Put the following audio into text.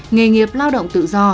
nghề nghiệp lao động tự do